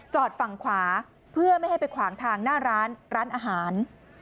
ฝั่งขวาเพื่อไม่ให้ไปขวางทางหน้าร้านร้านอาหาร